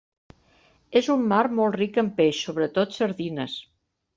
És un mar molt ric en peix, sobretot sardines.